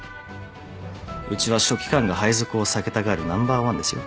うちは書記官が配属を避けたがるナンバーワンですよ。